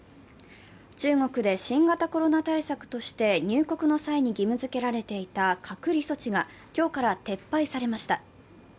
中国で新型コロナ対策として入国の際に義務づけられていた隔離措置が今日から撤廃されました。